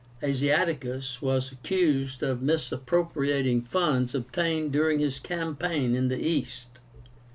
Asiaticus was accused of misappropriating funds obtained during his campaign in the East.